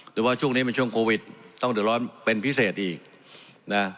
หรือว่าช่วงนี้มันช่วงโควิดต้องเดือดร้อนเป็นพิเศษอีกนะ